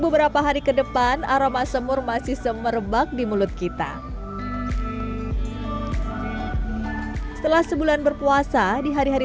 beberapa hari ke depan aroma semur masih semerbak di mulut kita setelah sebulan berpuasa di hari hari